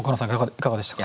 いかがでしたか？